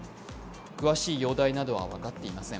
詳しい容体などは分かっていません。